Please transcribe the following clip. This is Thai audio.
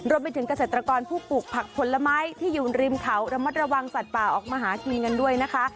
รวมไปถึงเกษตรกรผู้ปลูกผักผลไม้ที่อยู่ริมเขาระมัดระวังสัตว์ป่าออกมาหากินกันด้วยนะคะ